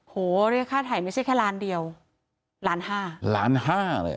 โหเรียกค่าถ่ายไม่ใช่แค่ล้านเดียวล้านห้าล้านห้าเลย